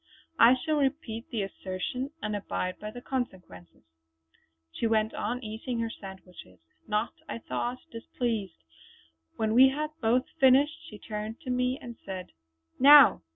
I shall repeat the assertion and abide by the consequences." She went on eating her sandwiches, not, I thought, displeased. When we had both finished she turned to me and said: "Now!"